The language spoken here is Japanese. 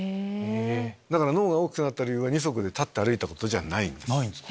だから脳が大きくなった理由は二足で歩いたことじゃないんです。